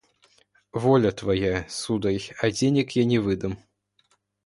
Воля твоя, сударь, а денег я не выдам».